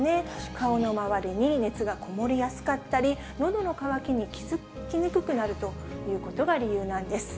顔の周りに熱がこもりやすかったり、のどの渇きに気付きにくくなるということが理由なんです。